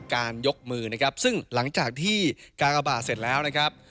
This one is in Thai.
ยกมือนะครับซึ่งหลังจากที่กากบาทเสร็จแล้วนะครับ